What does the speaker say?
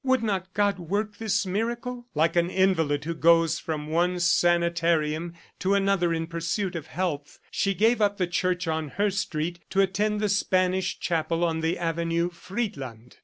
Would not God work this miracle? ... Like an invalid who goes from one sanitarium to another in pursuit of health, she gave up the church on her street to attend the Spanish chapel on the avenue Friedland.